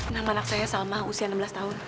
nama anak saya salmah usia enam belas tahun